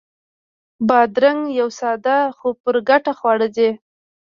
بادرنګ یو ساده خو پُرګټه خواړه دي.